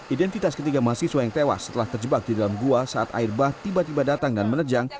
identitas ketiga mahasiswa yang tewas setelah terjebak di dalam gua saat air bah tiba tiba datang dan menerjang